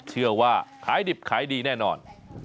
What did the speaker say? เชื่อว่าขายดิบขายดีแน่นอน